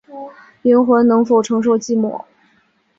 灵魂能否承受寂寞